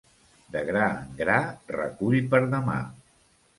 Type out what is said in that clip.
De gra en gra recull per demà.